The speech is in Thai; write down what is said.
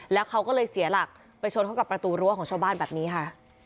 แล้วเขาก็เลยเสียหลักไปชนเข้ากับประตูรั้วของชาวบ้านแบบนี้ค่ะ